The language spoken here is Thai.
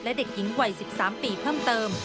และเด็กหญิงวัย๑๓ปีเพิ่มเติม